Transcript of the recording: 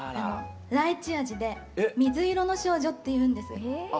ライチ味で「みずいろの少女」って言うんです。